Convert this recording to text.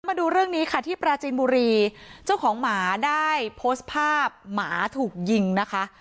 มาดูเรื่องนี้ค่ะที่ปราจีนบุรีเจ้าของหมาได้โพสต์ภาพหมาถูกยิงนะคะ